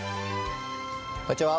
こんにちは。